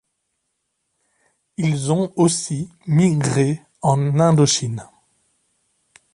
Ils ont aussi migré en Indochine.